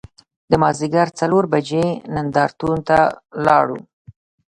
د مازدیګر څلور بجې نندار تون ته لاړو.